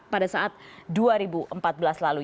pada saat dua ribu empat belas lalu